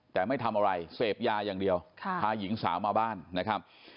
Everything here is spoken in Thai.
แต่ไม่ทำอะไรเสพยาอย่างเดียวพาหญิงสาวมาบ้านนะครับ